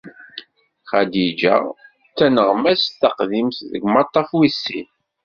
Xadiǧa d taneɣmast taqdimt deg umaṭṭaf wis sin.